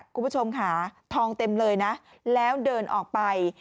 คุณผู้ชมค่ะทองเต็มเลยนะแล้วเดินออกไป